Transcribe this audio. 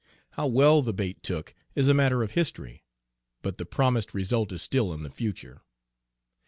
How well the bait took is a matter of history, but the promised result is still in the future.